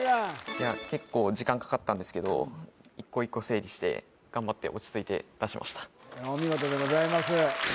いや結構時間かかったんですけど１個１個整理して頑張って落ち着いて出しましたお見事でございます